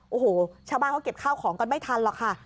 โอ้โหชาวบ้านเขาเก็บข้าวของกันไม่ทันหรอกค่ะ